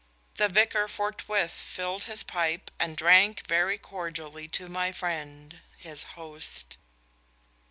The vicar forthwith "filled his pipe, and drank very cordially to my friend," his host.